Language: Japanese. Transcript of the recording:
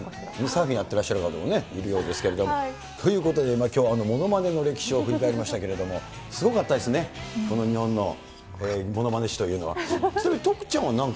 サーフィンやってらっしゃる方もいるようですけれども。ということで、きょうはものまねの歴史を振り返りましたけれども、すごかったですね、この日本のものまね史というのは。